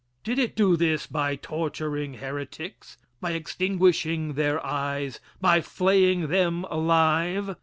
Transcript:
Did it do this by torturing heretics by extinguishing their eyes by flaying them alive?